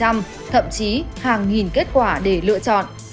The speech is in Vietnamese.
hàng trăm thậm chí hàng nghìn kết quả để lựa chọn